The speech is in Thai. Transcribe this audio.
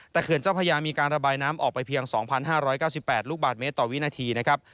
แต่เขื่อนเจ้าพระยามีการระบายน้ำออกไปเพียง๒๕๙๘ลูกบาทเมตรต่อวินาทีนะครับ